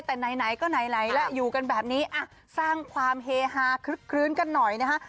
แต่ไหนก็ไหนแล้วอยู่กันแบบนี้สร้างความเฮฮาคลึกคลื้นกันหน่อยนะฮะ